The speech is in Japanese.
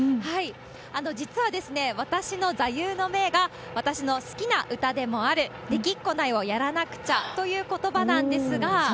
実はですね、私の座右の銘が、私の好きな歌でもある、できっこないをやらなくちゃということばなんですが。